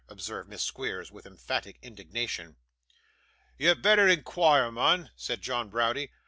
observed Miss Squeers, with emphatic indignation. 'Ye'd betther inquire, mun,' said John Browdie.